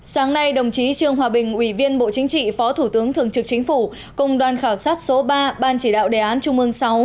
sáng nay đồng chí trương hòa bình ủy viên bộ chính trị phó thủ tướng thường trực chính phủ cùng đoàn khảo sát số ba ban chỉ đạo đề án trung ương sáu